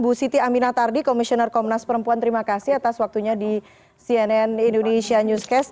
bu siti aminah tardi komisioner komnas perempuan terima kasih atas waktunya di cnn indonesia newscast